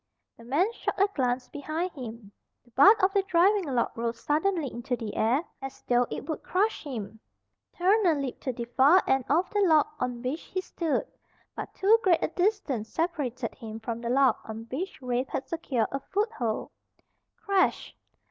The man shot a glance behind him. The butt of the driving log rose suddenly into the air as though it would crush him. Turner leaped to the far end of the log on which he stood. But too great a distance separated him from the log on which Rafe had secured a foothold. Crash!